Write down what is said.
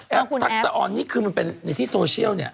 ของคุณแอฟทักษะออนนี่คือมันเป็นในที่โซเชียล